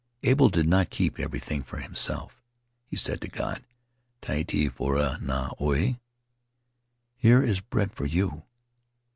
... Abel did not keep everything for himself. ... He said to God, 'Trie te faraoa na Oe' ('Here is bread for you').